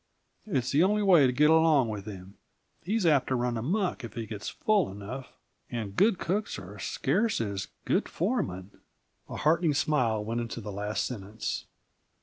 It's the only way to get along with him he's apt to run amuck, if he gets full enough; and good cooks are as scarce as good foremen." A heartening smile went with the last sentence.